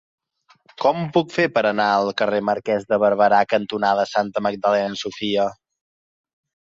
Com ho puc fer per anar al carrer Marquès de Barberà cantonada Santa Magdalena Sofia?